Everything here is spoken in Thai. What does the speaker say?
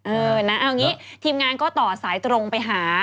เออนะเอางี้ทีมงานก็ต่อสายตรงไปหา